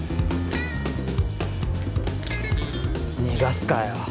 逃がすかよ。